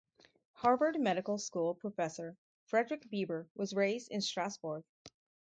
Harvard Medical School professor, Frederick Bieber, was raised in Strasbourg.